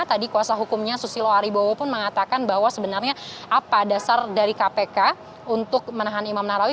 tadi kuasa hukumnya susilo aribowo pun mengatakan bahwa sebenarnya apa dasar dari kpk untuk menahan imam nahrawi